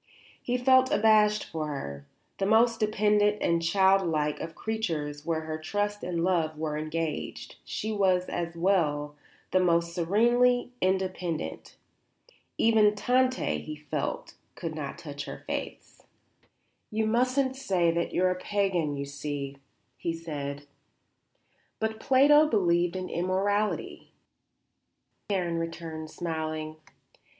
He felt abashed before her. The most dependent and child like of creatures where her trust and love were engaged, she was, as well, the most serenely independent. Even Tante, he felt, could not touch her faiths. "You mustn't say that you are a pagan, you see," he said. "But Plato believed in immortality," Karen returned, smiling.